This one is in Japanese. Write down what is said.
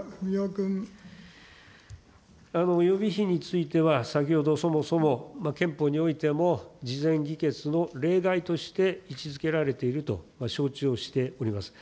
予備費については先ほど、そもそも憲法においても、事前議決を例外として位置づけられていると承知をしております。